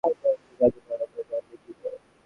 আপনি যে জাদু পারেন, তা জানলেন কী করে?